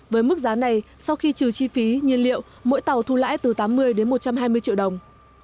với mức giá này sau khi trừ chi phí nhiên liệu mỗi tàu thu lãi từ tám mươi đến một trăm hai mươi triệu đồng